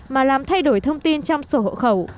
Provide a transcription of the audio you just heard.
mà làm thay đổi thông tin trong sổ hộ khẩu